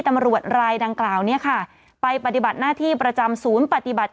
ตำรวจรายดังกล่าวเนี่ยค่ะไปปฏิบัติหน้าที่ประจำศูนย์ปฏิบัติ